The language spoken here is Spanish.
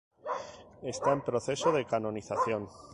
Está en proceso de canonización.